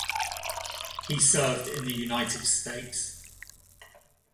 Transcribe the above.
He served in the United States.